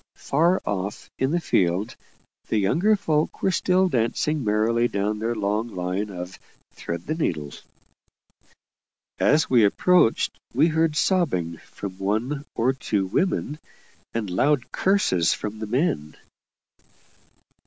Far off, in the field, the younger folk were still dancing merrily down their long line of "Thread the needle." As we approached, we heard sobbing from one or two women, and loud curses from the men.